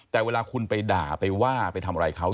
แต่เวลาคุณไปด่าไปว่าไปทำอะไรเขา